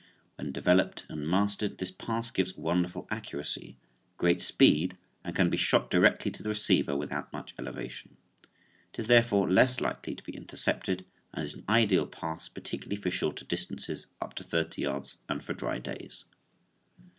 When developed and mastered this pass gives wonderful accuracy, great speed and can be shot directly to the receiver without much elevation. It is therefore less likely to be intercepted and is an ideal pass particularly for shorter distances up to thirty yards and for dry days.